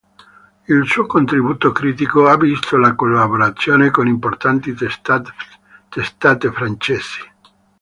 Il suo contributo critico ha visto la collaborazione con importanti testate francesi.